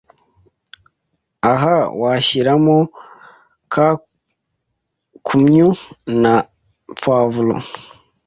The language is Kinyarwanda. Aha washyiramo ka kumyu na Poivre